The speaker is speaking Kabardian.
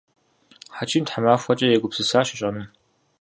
Хьэчим тхьэмахуэкӏэ егупсысащ ищӏэнум.